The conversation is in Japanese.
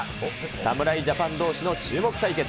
侍ジャパンどうしの注目対決。